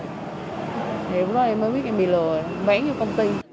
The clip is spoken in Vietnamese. thì lúc đó em mới biết em bị lừa bán cho công ty